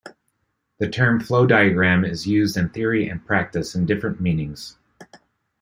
The term flow diagram is used in theory and practice in different meanings.